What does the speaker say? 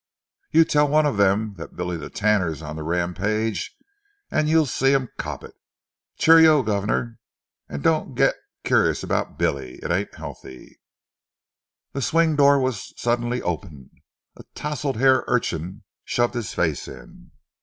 You tell one on 'em that Billy the Tanner's on the rampage, and you'll see 'em 'op it. Cheero, guvnor and don't you get curious about Billy. It ain't 'ealthy." The swing door was suddenly opened. A touslehaired urchin shoved his face in.